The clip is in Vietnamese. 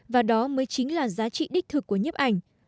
và đó mới chính là giá trị đích thực của nhiếp ảnh